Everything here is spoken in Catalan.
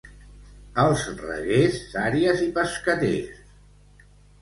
Als Reguers, sàries i pescaters.